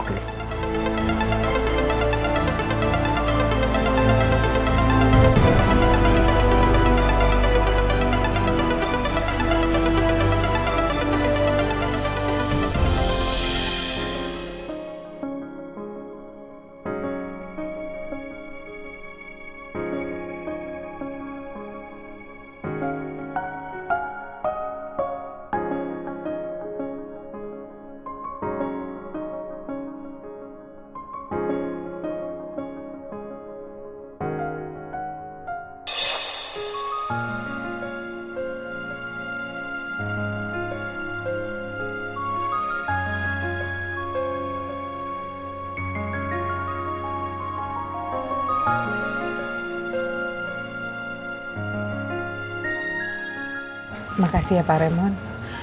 terima kasih ya pak raymond